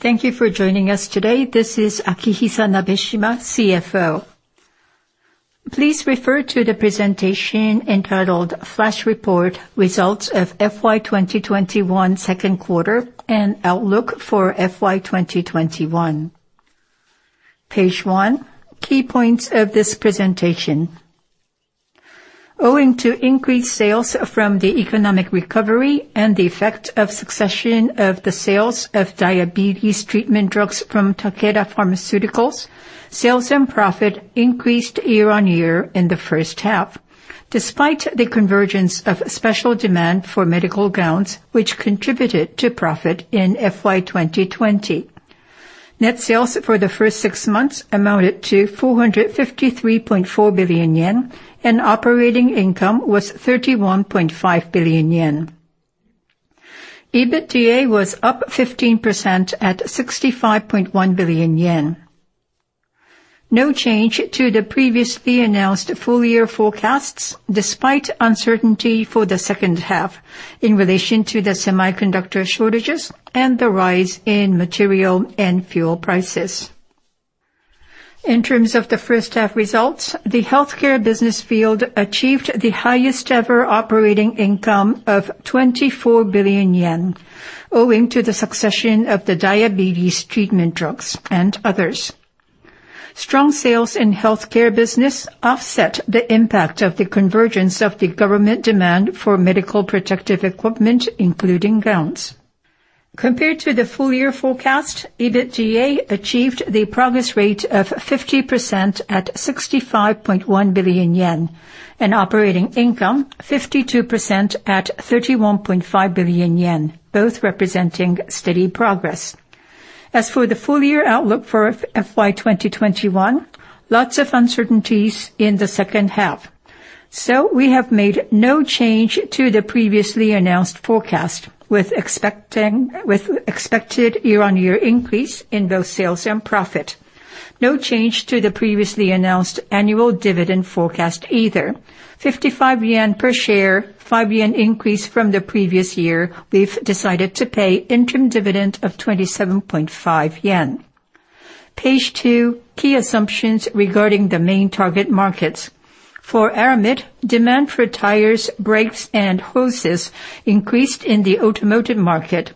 Thank you for joining us today. This is Akihisa Nabeshima, CFO. Please refer to the presentation entitled Flash Report Results of FY 2021 Second Quarter and Outlook for FY 2021. Page one, key points of this presentation. Owing to increased sales from the economic recovery and the effect of succession of the sales of diabetes treatment drugs from Takeda Pharmaceuticals, sales and profit increased year-on-year in the first half, despite the convergence of special demand for medical gowns, which contributed to profit in FY 2020. Net sales for the first six months amounted to 453.4 billion yen, and operating income was 31.5 billion yen. EBITDA was up 15% at 65.1 billion yen. No change to the previously announced full year forecasts, despite uncertainty for the second half in relation to the semiconductor shortages and the rise in material and fuel prices. In terms of the first half results, the healthcare business field achieved the highest ever operating income of 24 billion yen, owing to the succession of the diabetes treatment drugs and others. Strong sales in healthcare business offset the impact of the convergence of the government demand for medical protective equipment, including gowns. Compared to the full-year forecast, EBITDA achieved the progress rate of 50% at 65.1 billion yen, and operating income 52% at 31.5 billion yen, both representing steady progress. As for the full-year outlook for FY 2021, lots of uncertainties in the second half, so we have made no change to the previously announced forecast, with expected year-on-year increase in both sales and profit. No change to the previously announced annual dividend forecast either. 55 yen per share, 5 yen increase from the previous year. We've decided to pay interim dividend of 27.5 yen. Page two, key assumptions regarding the main target markets. For aramid, demand for tires, brakes, and hoses increased in the automotive market.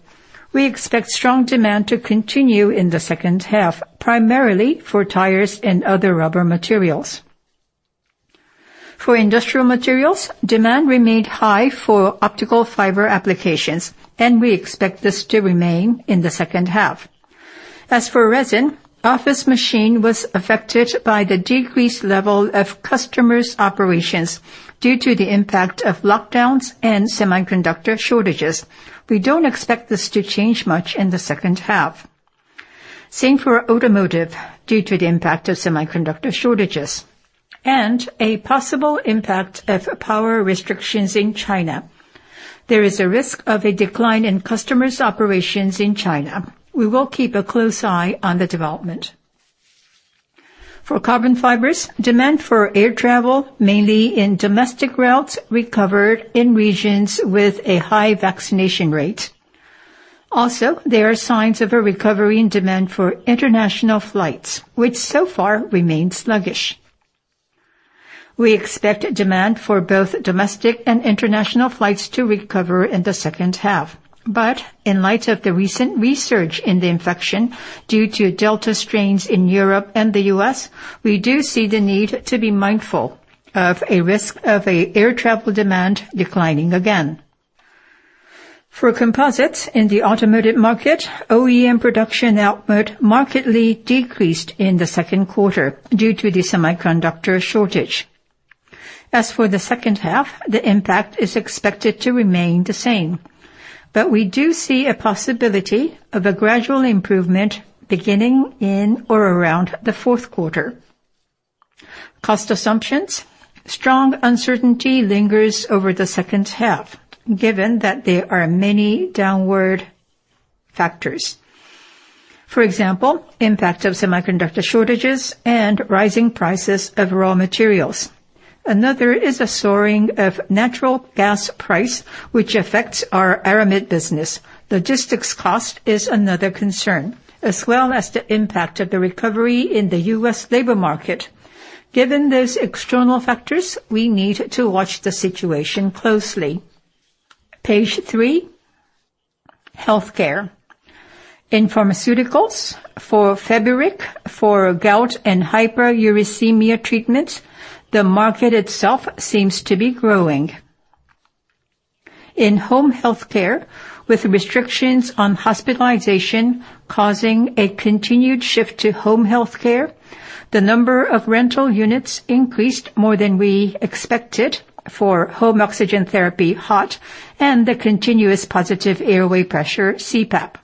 We expect strong demand to continue in the second half, primarily for tires and other rubber materials. For industrial materials, demand remained high for optical fiber applications, and we expect this to remain in the second half. As for resin, office machine was affected by the decreased level of customers' operations due to the impact of lockdowns and semiconductor shortages. We don't expect this to change much in the second half. Same for automotive, due to the impact of semiconductor shortages and a possible impact of power restrictions in China. There is a risk of a decline in customers' operations in China. We will keep a close eye on the development. For carbon fibers, demand for air travel, mainly in domestic routes, recovered in regions with a high vaccination rate. Also, there are signs of a recovery in demand for international flights, which so far remained sluggish. We expect demand for both domestic and international flights to recover in the second half. In light of the recent resurgence of infections due to Delta strains in Europe and the U.S., we do see the need to be mindful of a risk of air travel demand declining again. For composites in the automotive market, OEM production output markedly decreased in the second quarter due to the semiconductor shortage. As for the second half, the impact is expected to remain the same. We do see a possibility of a gradual improvement beginning in or around the fourth quarter. Cost assumptions. Strong uncertainty lingers over the second half, given that there are many downward factors. For example, impact of semiconductor shortages and rising prices of raw materials. Another is a soaring of natural gas price, which affects our aramid business. Logistics cost is another concern, as well as the impact of the recovery in the U.S. labor market. Given those external factors, we need to watch the situation closely. Page three, Healthcare. In pharmaceuticals, for Feburic, for gout and hyperuricemia treatment, the market itself seems to be growing. In home healthcare, with restrictions on hospitalization causing a continued shift to home healthcare, the number of rental units increased more than we expected for home oxygen therapy, HOT, and the continuous positive airway pressure, CPAP.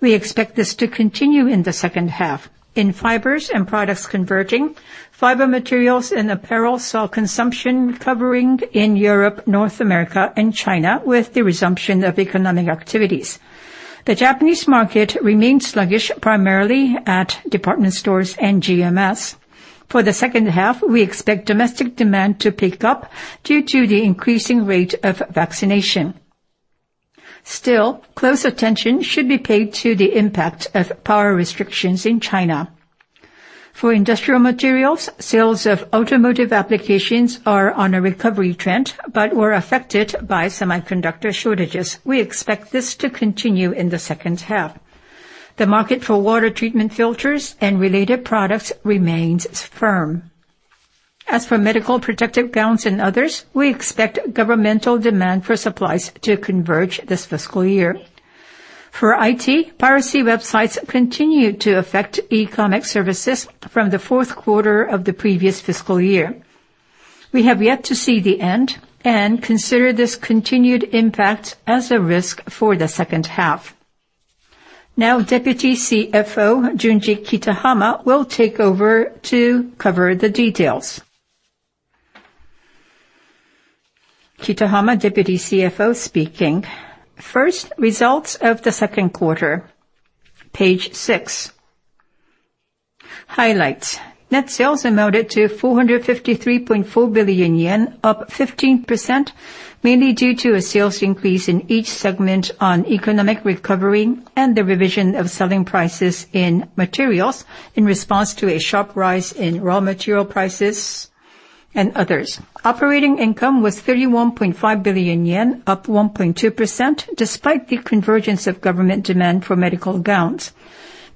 We expect this to continue in the second half. In fibers and products converting, fiber materials and apparel saw consumption recovering in Europe, North America, and China with the resumption of economic activities. The Japanese market remained sluggish, primarily at department stores and GMS. For the second half, we expect domestic demand to pick up due to the increasing rate of vaccination. Still, close attention should be paid to the impact of power restrictions in China. For industrial materials, sales of automotive applications are on a recovery trend, but were affected by semiconductor shortages. We expect this to continue in the second half. The market for water treatment filters and related products remains firm. As for medical protective gowns and others, we expect governmental demand for supplies to converge this fiscal year. For IT, piracy websites continue to affect e-commerce services from the fourth quarter of the previous fiscal year. We have yet to see the end and consider this continued impact as a risk for the second half. Now, Deputy CFO Junji Kitahama will take over to cover the details. Kitahama, Deputy CFO speaking. First, results of the second quarter. Page six. Highlights. Net sales amounted to 453.4 billion yen, up 15%, mainly due to a sales increase in each segment on economic recovery and the revision of selling prices in materials in response to a sharp rise in raw material prices and others. Operating income was 31.5 billion yen, up 1.2% despite the convergence of government demand for medical gowns,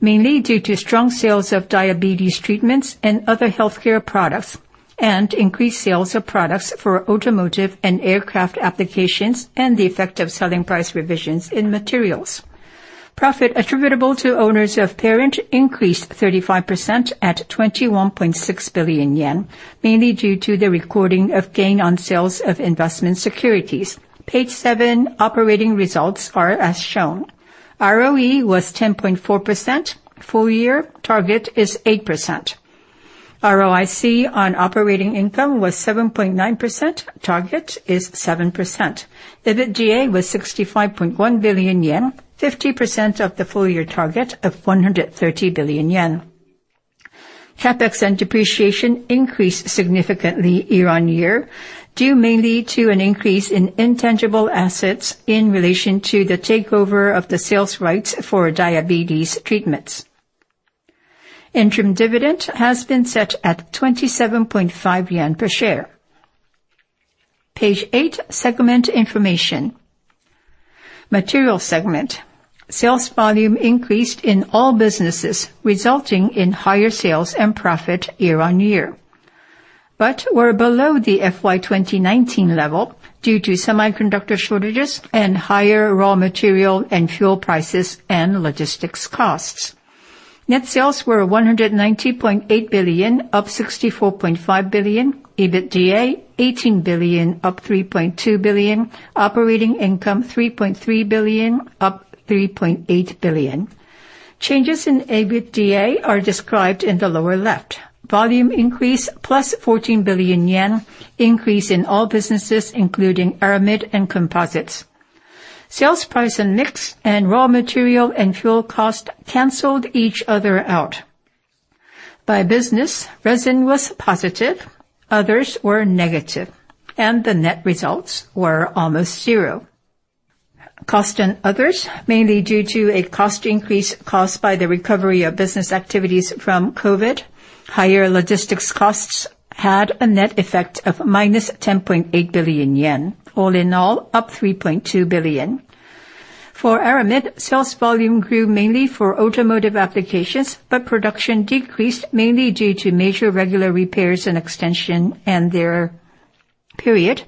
mainly due to strong sales of diabetes treatments and other healthcare products and increased sales of products for automotive and aircraft applications and the effect of selling price revisions in materials. Profit attributable to owners of parent increased 35% at 21.6 billion yen, mainly due to the recording of gain on sales of investment securities. Page seven, operating results are as shown. ROE was 10.4%. Full year target is 8%. ROIC on operating income was 7.9%. Target is 7%. EBITDA was 65.1 billion yen, 50% of the full year target of 130 billion yen. CapEx and depreciation increased significantly year-on-year, due mainly to an increase in intangible assets in relation to the takeover of the sales rights for diabetes treatments. Interim dividend has been set at 27.5 yen per share. Page eight, segment information. Material segment. Sales volume increased in all businesses, resulting in higher sales and profit year-on-year, but were below the FY 2019 level due to semiconductor shortages and higher raw material and fuel prices and logistics costs. Net sales were 190.8 billion, up 64.5 billion. EBITDA 18 billion, up 3.2 billion. Operating income 3.3 billion, up 3.8 billion. Changes in EBITDA are described in the lower left. Volume increase +14 billion yen in all businesses, including aramid and composites. Sales price and mix and raw material and fuel cost canceled each other out. By business, resin was positive, others were negative, and the net results were almost zero. Costs and others, mainly due to a cost increase caused by the recovery of business activities from COVID, higher logistics costs had a net effect of -10.8 billion yen. All in all, up 3.2 billion. For aramid, sales volume grew mainly for automotive applications, but production decreased mainly due to major regular repairs and extension and their period.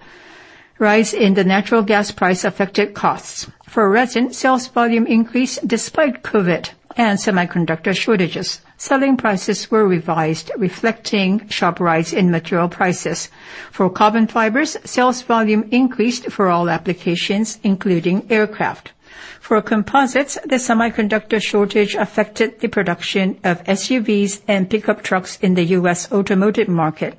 Rise in the natural gas price affected costs. For resin, sales volume increased despite COVID and semiconductor shortages. Selling prices were revised, reflecting sharp rise in material prices. For carbon fibers, sales volume increased for all applications, including aircraft. For composites, the semiconductor shortage affected the production of SUVs and pickup trucks in the U.S. automotive market,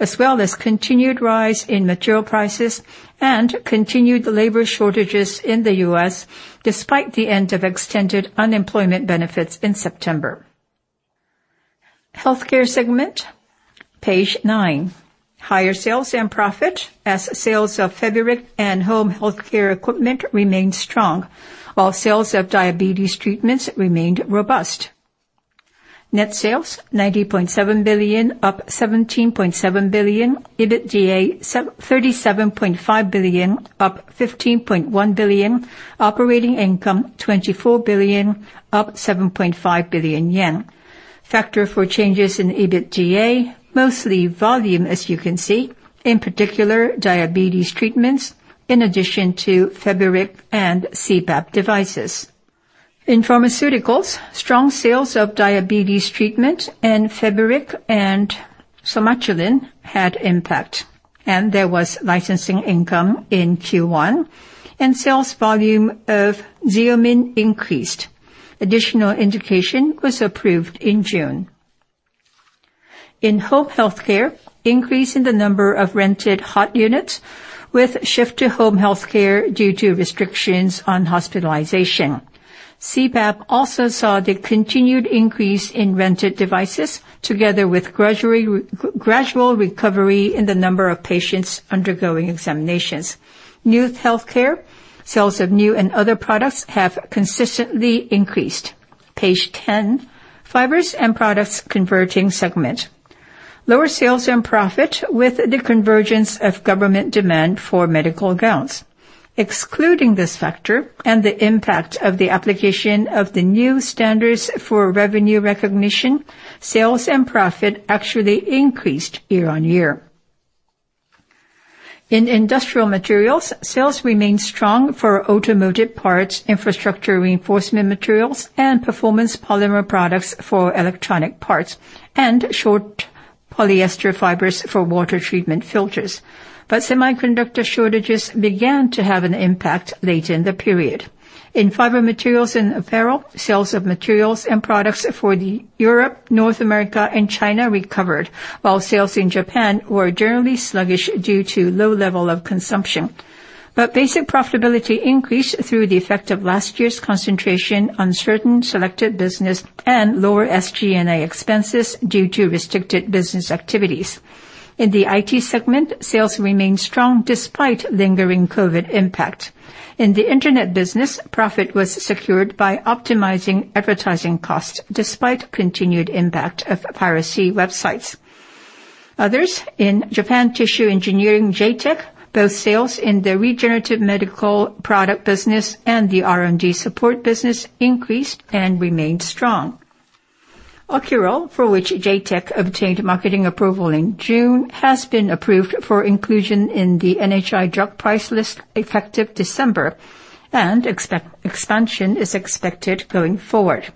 as well as continued rise in material prices and continued labor shortages in the U.S. despite the end of extended unemployment benefits in September. Healthcare segment, page nine. Higher sales and profit as sales of Feburic and home healthcare equipment remained strong, while sales of diabetes treatments remained robust. Net sales 90.7 billion, up 17.7 billion. EBITDA 37.5 billion, up 15.1 billion. Operating income 24 billion, up 7.5 billion yen. Factor for changes in EBITDA, mostly volume, as you can see, in particular, diabetes treatments in addition to Feburic and CPAP devices. In pharmaceuticals, strong sales of diabetes treatment and Feburic and Somatuline had impact, and there was licensing income in Q1 and sales volume of Xeomin increased. Additional indication was approved in June. In home healthcare, increase in the number of rented HOT units with shift to home healthcare due to restrictions on hospitalization. CPAP also saw the continued increase in rented devices together with gradual recovery in the number of patients undergoing examinations. In healthcare, sales of new and other products have consistently increased. Page 10, Fibers and Products Converting segment. Lower sales and profit with the convergence of government demand for medical gowns. Excluding this factor and the impact of the application of the new standards for revenue recognition, sales and profit actually increased year-over-year. In Industrial Materials, sales remained strong for automotive parts, infrastructure reinforcement materials, and performance polymer products for electronic parts, and short polyester fibers for water treatment filters. Semiconductor shortages began to have an impact late in the period. In Fiber Materials and Apparel, sales of materials and products for Europe, North America, and China recovered, while sales in Japan were generally sluggish due to low level of consumption. Basic profitability increased through the effect of last year's concentration on certain selected business and lower SG&A expenses due to restricted business activities. In the IT segment, sales remained strong despite lingering COVID impact. In the internet business, profit was secured by optimizing advertising costs despite continued impact of piracy websites. Others in Japan Tissue Engineering, JTEC, both sales in the regenerative medical product business and the R&D support business increased and remained strong. Ocural, for which JTEC obtained marketing approval in June, has been approved for inclusion in the NHI Drug Price List effective December, and expansion is expected going forward.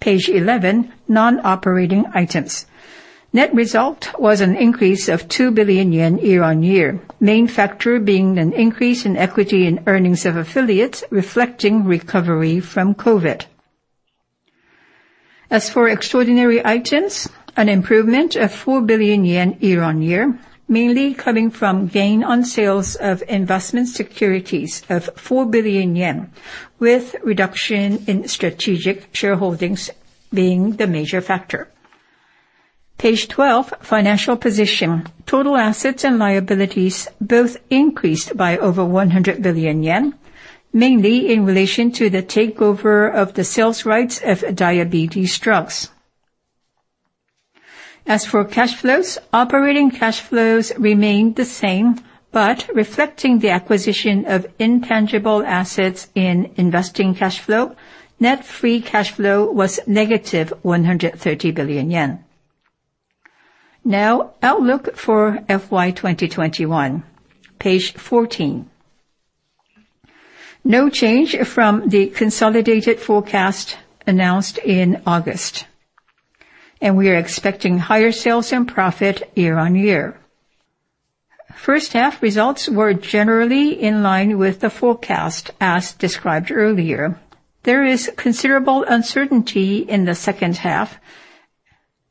Page 11, non-operating items. Net result was an increase of 2 billion yen year-on-year, main factor being an increase in equity and earnings of affiliates reflecting recovery from COVID. As for extraordinary items, an improvement of 4 billion yen year-on-year, mainly coming from gain on sales of investment securities of 4 billion yen, with reduction in strategic shareholdings being the major factor. Page 12, financial position. Total assets and liabilities both increased by over 100 billion yen, mainly in relation to the takeover of the sales rights of diabetes drugs. As for cash flows, operating cash flows remained the same, but reflecting the acquisition of intangible assets in investing cash flow, net free cash flow was negative 130 billion yen. Now, outlook for FY 2021, page 14. No change from the consolidated forecast announced in August, and we are expecting higher sales and profit year-on-year. First half results were generally in line with the forecast, as described earlier. There is considerable uncertainty in the second half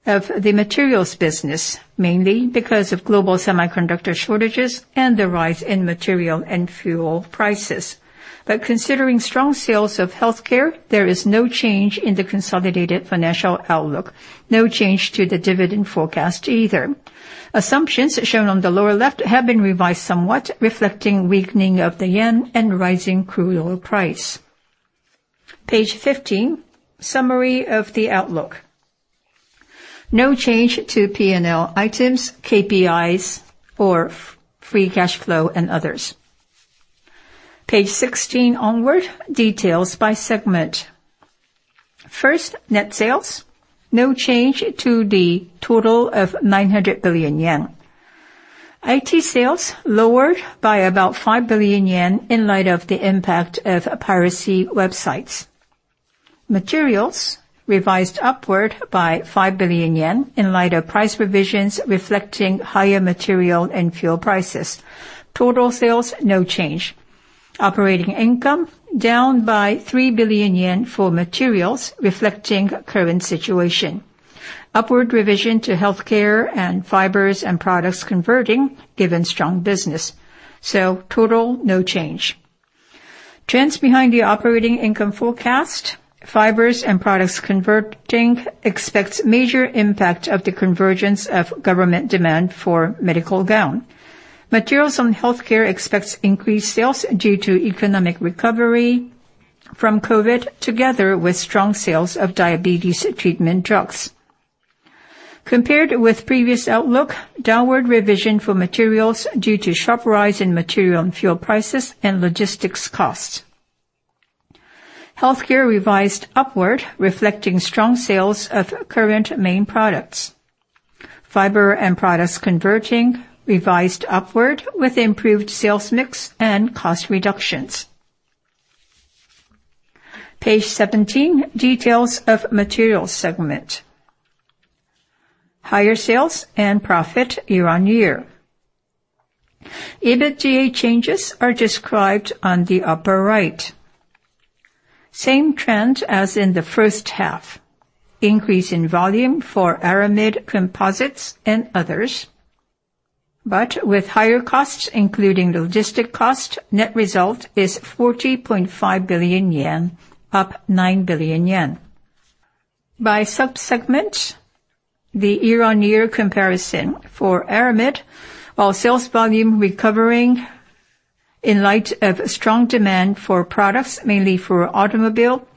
of the materials business, mainly because of global semiconductor shortages and the rise in material and fuel prices. Considering strong sales of healthcare, there is no change in the consolidated financial outlook. No change to the dividend forecast either. Assumptions shown on the lower left have been revised somewhat, reflecting weakening of the yen and rising crude oil price. Page 15, summary of the outlook. No change to P&L items, KPIs or free cash flow, and others. Page 16 onward, details by segment. First, net sales. No change to the total of 900 billion yen. IT sales lowered by about 5 billion yen in light of the impact of piracy websites. Materials revised upward by 5 billion yen in light of price revisions reflecting higher material and fuel prices. Total sales, no change. Operating income down by 3 billion yen for materials, reflecting current situation. Upward revision to healthcare and Fibers & Products Converting, given strong business. Total, no change. Trends behind the operating income forecast. Fibers & Products Converting expects major impact of the convergence of government demand for medical gown. Materials and Healthcare expects increased sales due to economic recovery from COVID, together with strong sales of diabetes treatment drugs. Compared with previous outlook, downward revision for materials due to sharp rise in material and fuel prices and logistics costs. Healthcare revised upward, reflecting strong sales of current main products. Fiber and Products Converting revised upward with improved sales mix and cost reductions. Page 17, details of Materials segment. Higher sales and profit year-on-year. EBITDA changes are described on the upper right. Same trend as in the first half. Increase in volume for aramid composites and others, but with higher costs, including logistics cost, net result is 40.5 billion yen, up 9 billion yen. By sub-segment, the year-on-year comparison for aramid, while sales volume recovering. In light of strong demand for products, mainly for automobile,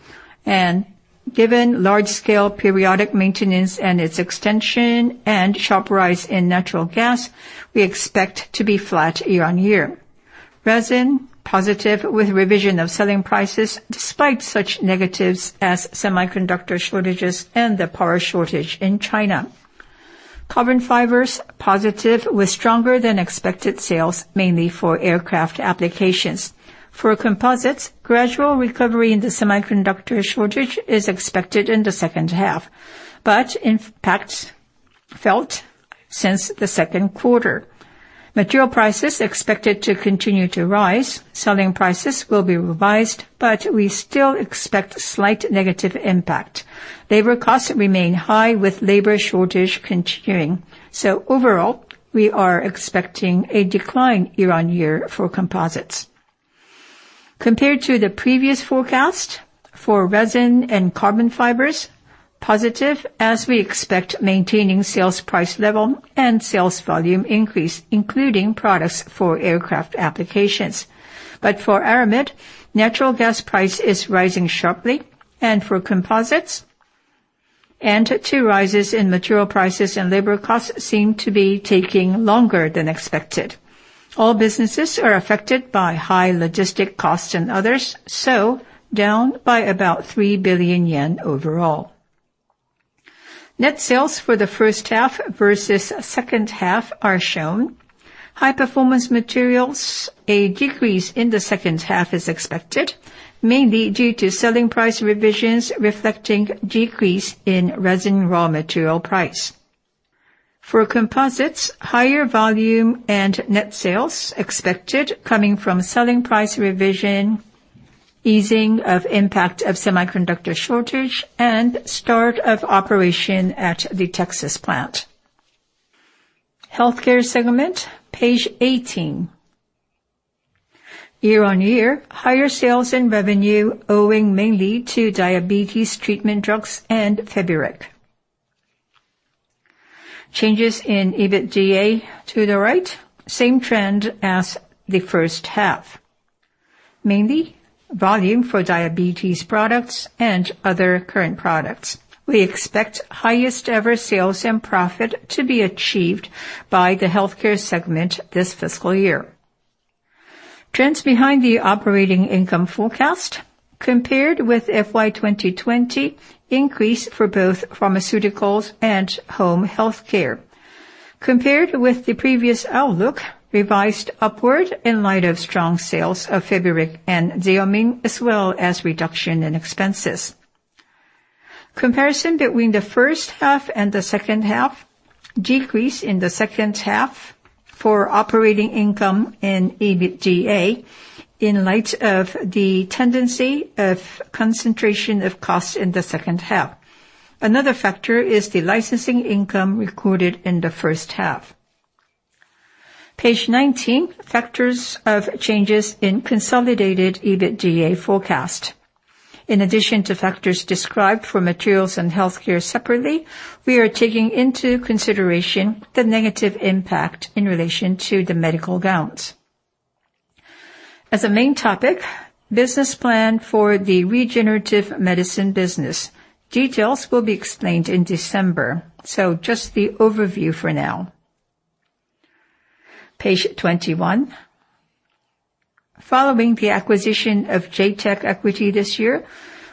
and given large-scale periodic maintenance and its extension and sharp rise in natural gas, we expect to be flat year-on-year. Resin, positive with revision of selling prices despite such negatives as semiconductor shortages and the power shortage in China. Carbon fibers, positive with stronger than expected sales, mainly for aircraft applications. For composites, gradual recovery in the semiconductor shortage is expected in the second half, but impact felt since the second quarter. Material prices expected to continue to rise. Selling prices will be revised, but we still expect slight negative impact. Labor costs remain high, with labor shortage continuing. Overall, we are expecting a decline year-on-year for composites. Compared to the previous forecast for resin and carbon fibers, positive as we expect maintaining sales price level and sales volume increase, including products for aircraft applications. For aramid, natural gas price is rising sharply and for composites, and too rises in material prices and labor costs seem to be taking longer than expected. All businesses are affected by high logistics costs and others, down by about 3 billion yen overall. Net sales for the first half versus second half are shown. High-Performance Materials, a decrease in the second half is expected, mainly due to selling price revisions reflecting decrease in resin raw material price. For composites, higher volume and net sales expected coming from selling price revision, easing of impact of semiconductor shortage, and start of operation at the Texas plant. Healthcare segment, page 18. Year-on-year higher sales and revenue owing mainly to diabetes treatment drugs and Feburic. Changes in EBITDA to the right, same trend as the first half. Mainly volume for diabetes products and other current products. We expect highest ever sales and profit to be achieved by the healthcare segment this fiscal year. Trends behind the operating income forecast compared with FY 2020 increase for both pharmaceuticals and home healthcare. Compared with the previous outlook, revised upward in light of strong sales of Feburic and Xeomin, as well as reduction in expenses. Comparison between the first half and the second half, decrease in the second half for operating income and EBITDA in light of the tendency of concentration of costs in the second half. Another factor is the licensing income recorded in the first half. Page 19, factors of changes in consolidated EBITDA forecast. In addition to factors described for materials and healthcare separately, we are taking into consideration the negative impact in relation to the medical gowns. As a main topic, business plan for the regenerative medicine business. Details will be explained in December, so just the overview for now. Page 21. Following the acquisition of J-TEC equity this year,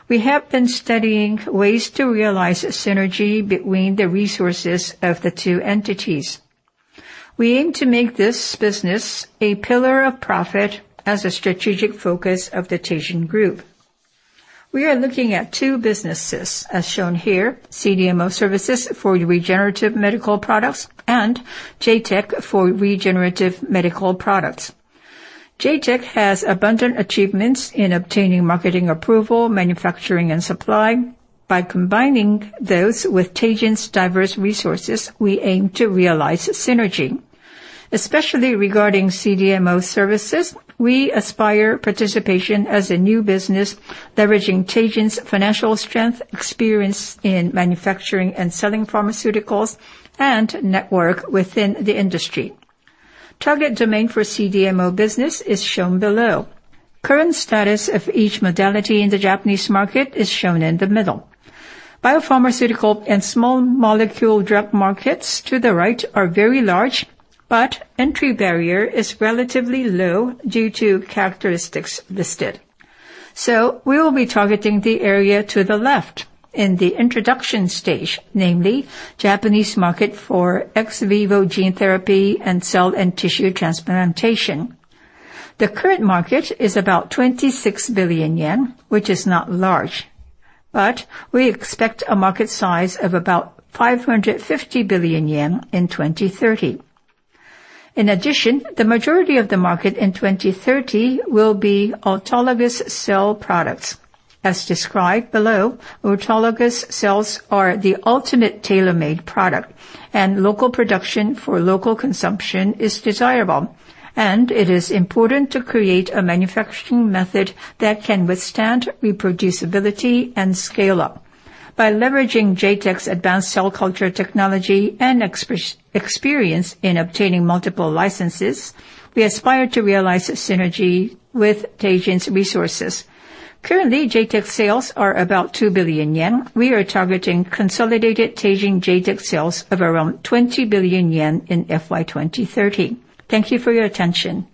we have been studying ways to realize synergy between the resources of the two entities. We aim to make this business a pillar of profit as a strategic focus of the Teijin Group. We are looking at two businesses, as shown here, CDMO services for regenerative medical products and J-TEC for regenerative medical products. J-TEC has abundant achievements in obtaining marketing approval, manufacturing and supply. By combining those with Teijin's diverse resources, we aim to realize synergy. Especially regarding CDMO services, we aspire participation as a new business, leveraging Teijin's financial strength, experience in manufacturing and selling pharmaceuticals, and network within the industry. Target domain for CDMO business is shown below. Current status of each modality in the Japanese market is shown in the middle. Biopharmaceutical and small molecule drug markets to the right are very large, but entry barrier is relatively low due to characteristics listed. We will be targeting the area to the left in the introduction stage, namely Japanese market for ex vivo gene therapy and cell and tissue transplantation. The current market is about 26 billion yen, which is not large, but we expect a market size of about 550 billion yen in 2030. In addition, the majority of the market in 2030 will be autologous cell products. As described below, autologous cells are the ultimate tailor-made product, and local production for local consumption is desirable, and it is important to create a manufacturing method that can withstand reproducibility and scale up. By leveraging J-TEC's advanced cell culture technology and experience in obtaining multiple licenses, we aspire to realize synergy with Teijin's resources. Currently, J-TEC sales are about 2 billion yen. We are targeting consolidated Teijin J-TEC sales of around 20 billion yen in FY 2030. Thank you for your attention.